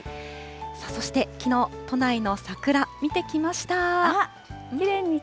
そしてきのう、都内の桜、見てきました。